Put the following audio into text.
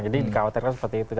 jadi di cauternya seperti itu